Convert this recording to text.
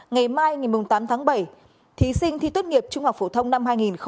ngày mai ngày tám tháng bảy thí sinh thi tốt nghiệp trung học phổ thông năm hai nghìn hai mươi